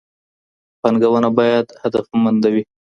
پانګونه باید هدفمنده وي.